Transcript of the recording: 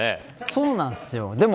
そうなんですよ。